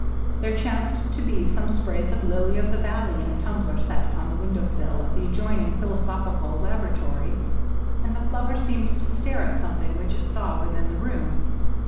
There chanced to be some sprays of lily of the valley in a tumbler set upon the window sill of the adjoining physiological laboratory, and the flower seemed to stare at some thing which it saw within the room.